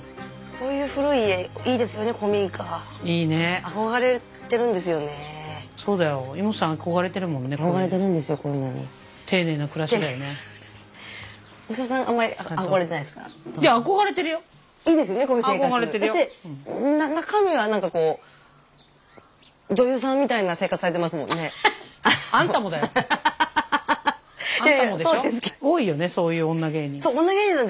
多いよねそういう女芸人。